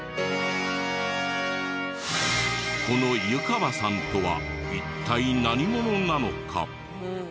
この湯川さんとは一体何者なのか？